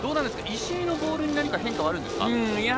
石井のボールに変化はあるんですか？